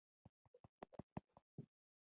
شاوخوا په واورینو غرونو باندې شنې ونې ولاړې وې